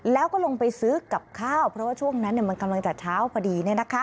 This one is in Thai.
แล้วก็ลงไปซื้อกับข้าวเพราะว่าช่วงนั้นมันกำลังจะเช้าพอดี